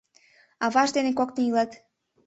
— Аваж дене коктын илат.